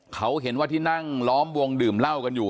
เขาเห็นว่าที่นั่งล้อมวงดื่มเหล้ากันอยู่